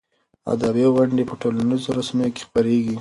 ادبي غونډې په ټولنیزو رسنیو کې خپرېږي.